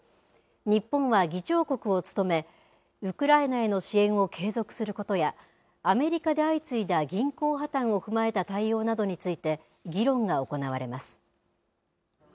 日本は議長国を務めウクライナへの支援を継続することやアメリカで相次いだ銀行破綻を踏まえた対応などについて議論が行われます。